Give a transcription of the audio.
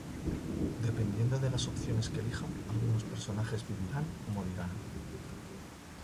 Dependiendo de las opciones que elija, algunos personajes vivirán o morirán.